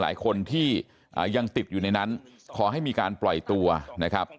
หลายคนที่ยังติดอยู่ในนั้นขอให้มีการปล่อยตัวนะครับ